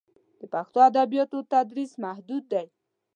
د پښتو ادبیاتو تدریس محدود دی.